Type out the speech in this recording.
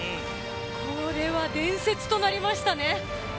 これは伝説となりましたね。